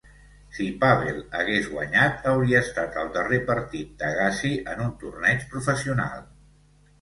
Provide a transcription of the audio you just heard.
Si Pavel hagués guanyat, hauria estat el darrer partit d'Agassi en un torneig professional.